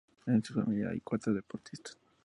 En su familia hay otros deportistas.